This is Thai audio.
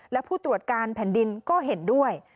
และผู้ตรวจการแผ่นดินก็เห็นด้วย